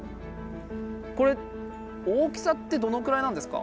これ大きさってどのくらいなんですか？